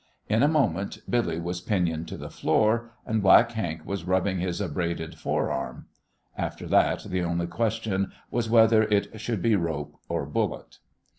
In a moment Billy was pinioned to the floor, and Black Hank was rubbing his abraded fore arm. After that the only question was whether it should be rope or bullet.